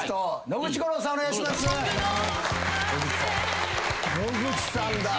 野口さんだ。